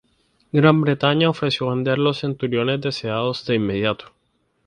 Gran Bretaña ofreció vender los Centuriones deseados de inmediato.